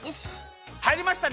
はいりましたね？